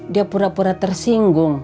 dia pura pura tersinggung